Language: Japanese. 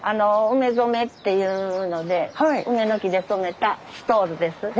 梅染めっていうので梅の木で染めたストールです。